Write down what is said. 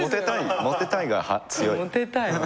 モテたいが強い。